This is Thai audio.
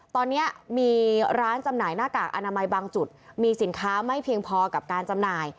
ตอนนี้มีร้านจำหน่ายหน้ากากอนามัยบางจุดมีสินค้าไม่เพียงพอกับการจำหน่าย